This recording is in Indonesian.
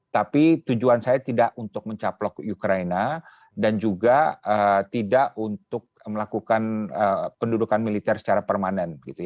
tapi tujuan saya tidak untuk mencaplok ukraina dan juga tidak untuk melakukan pendudukan militer secara permanen